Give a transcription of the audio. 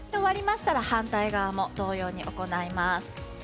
終わりましたら反対側も同様に行います。